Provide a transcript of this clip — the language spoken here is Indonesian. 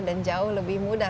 dan jauh lebih mudah